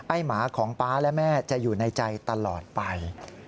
หมาของป๊าและแม่จะอยู่ในใจตลอดไป